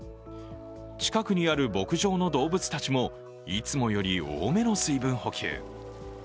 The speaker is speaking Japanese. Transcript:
近くにある牧場の動物たちもいつもより多めの水分補給。